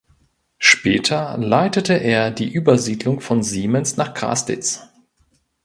Später leitete er die Übersiedlung von Siemens nach Graslitz.